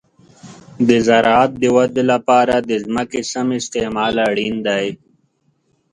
د زراعت د ودې لپاره د ځمکې سم استعمال اړین دی.